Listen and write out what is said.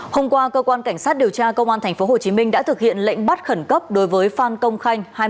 hôm qua cơ quan cảnh sát điều tra công an tp hcm đã thực hiện lệnh bắt khẩn cấp đối với phan công khanh